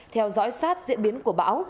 theo dõi sát diễn biến của bão